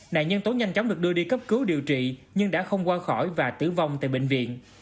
nạn nhân tố nhanh chóng được đưa đi cấp cứu điều trị nhưng đã không qua khỏi và tử vong tại bệnh viện